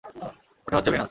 ওটা হচ্ছে ভেনাস!